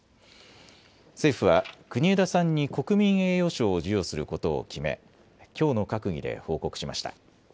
政府は国枝さんに国民栄誉賞を授与することを決め、きょうの閣議で報告しました。